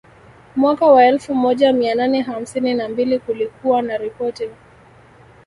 Mwaka wa elfu moja mia nane hamsini na mbili kulikuwa na ripoti